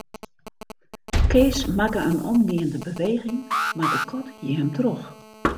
Kees makke in omgeande beweging, mar de kat hie him troch.